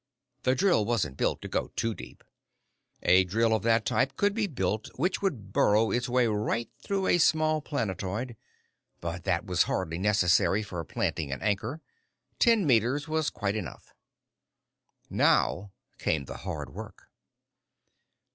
The drill wasn't built to go in too deep. A drill of that type could be built which would burrow its way right through a small planetoid, but that was hardly necessary for planting an anchor. Ten meters was quite enough. Now came the hard work.